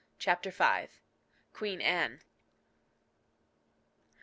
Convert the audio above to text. CHAPTER V. QUEEN ANNE.